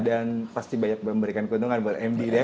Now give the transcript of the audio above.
dan pasti banyak memberikan keuntungan buat md deh